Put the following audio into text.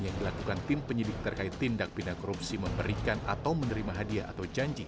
yang dilakukan tim penyidik terkait tindak pindah korupsi memberikan atau menerima hadiah atau janji